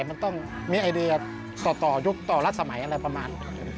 มันต้องมีไอเดียต่อยุคต่อรัฐสมัยอะไรประมาณ